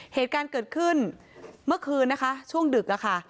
เหตุการณ์เกิดขึ้นเมื่อคืนนะคะช่วงดึกอะค่ะ